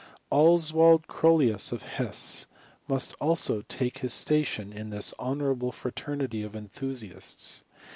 Oswald CroUius, of Hesse, must also take his sta« tion in this honourable fraternity of enthusiasts.